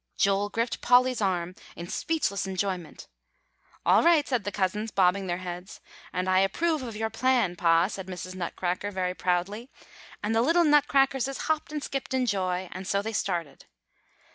'" Joel gripped Polly's arm in speechless enjoyment. "'All right,' said the cousins, bobbing their heads. 'And I approve of your plan, Pa,' said Mrs. Nutcracker very proudly; and the little Nutcrackerses hopped and skipped in joy, and so they started."